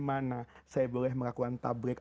mana saya boleh melakukan tablik